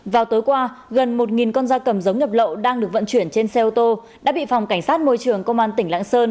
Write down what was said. vào tối qua gần một con da cầm giống nhập lậu đang được vận chuyển trên xe ô tô đã bị phòng cảnh sát môi trường công an tỉnh lạng sơn